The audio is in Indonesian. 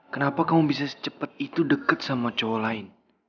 kenapa kamu bisa secepet itu deket sama cowok lain